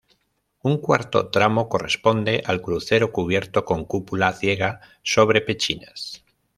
Un cuarto tramo corresponde al crucero, cubierto con cúpula ciega sobre pechinas.